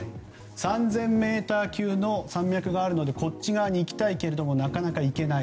３０００ｍ級の山脈があるのでこっち側に行きたいけれどもなかなか行けない。